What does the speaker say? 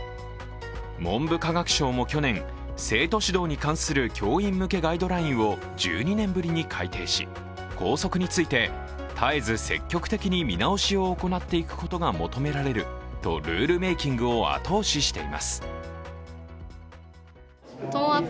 文部科学省も去年、生徒指導に関する教員向けガイドラインを１２年ぶりに改定し、校則について絶えず積極的に見直しを行っていくことが求められるとルールメイキングを後押ししています。